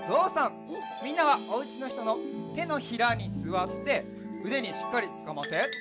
みんなはおうちのひとのてのひらにすわってうでにしっかりつかまって。